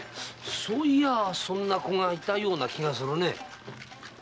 そういやそんな子がいたような気がするね。